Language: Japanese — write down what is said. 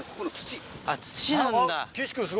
土なんだ。